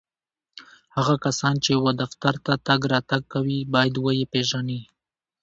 هغه کسان چي و دفتر ته تګ راتګ کوي ، باید و یې پېژني